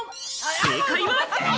正解は。